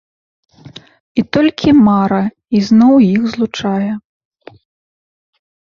І толькі мара ізноў іх злучае.